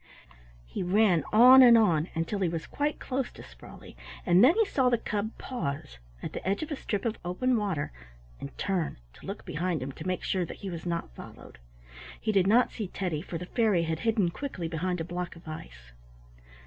He ran on and on until he was quite close to Sprawley, and then he saw the cub pause at the edge of a strip of open water, and turn to look behind him to make sure that he was not followed. He did not see Teddy, for the fairy had hidden quickly behind a block of ice.